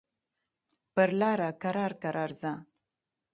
پر لاره کرار کرار ځه.